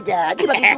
jadi bagi dua dong